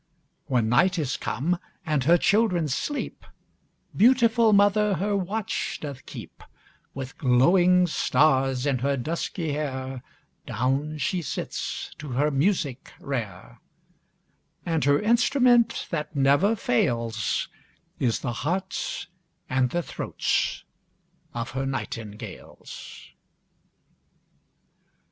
When night is come, and her children sleep, Beautiful mother her watch doth keep; With glowing stars in her dusky hair Down she sits to her music rare; And her instrument that never fails, Is the hearts and the throats of her nightingales.